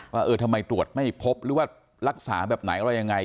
เออทำไมตรวจไม่พบหรือว่ารักษาแบบไหนอะไรยังไง